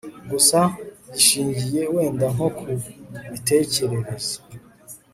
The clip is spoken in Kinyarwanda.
gusa gishingiye wenda nko ku mitekerereze